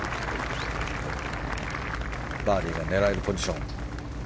バーディーは狙えるポジション。